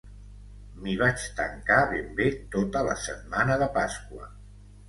M'hi vaig tancar ben bé tota la setmana de Pasqua.